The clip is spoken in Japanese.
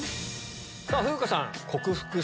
⁉さぁ風花さん。